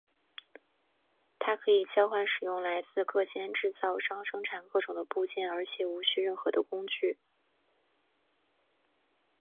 它可以交换使用来自各间制造商生产各种的部件而且无需任何的工具。